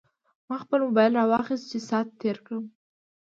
ما خپل موبایل راواخیست چې ساعت تېر کړم.